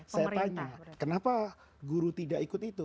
saya tanya kenapa guru tidak ikut itu